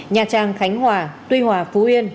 nhà trang khánh hòa tuy hòa phú yên